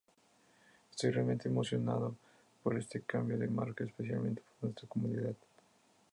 Estoy realmente emocionado por este cambio de marca, especialmente por nuestra comunidad.